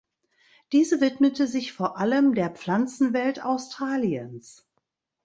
Diese widmete sich vor allem der Pflanzenwelt Australiens.